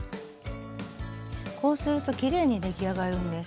こうするときれいに出来上がるんです。